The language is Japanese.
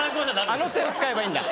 あのてを使えばいいんだ。